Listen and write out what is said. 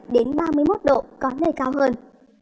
đến ba mươi một độ có nơi cao hơn